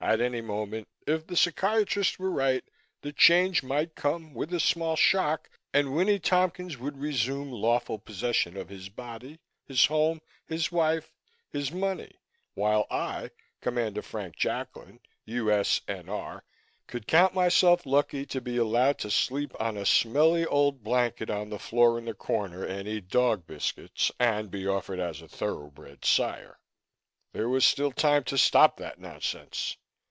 At any moment, if the psychiatrists were right, the change might come, with a small shock, and Winnie Tompkins would resume lawful possession of his body, his home, his wife, his money, while I Commander Frank Jacklin, U.S.N.R. could count myself lucky to be allowed to sleep on a smelly old blanket on the floor in the corner and eat dog biscuits and be offered as a thoroughbred sire. There was still time to stop that nonsense.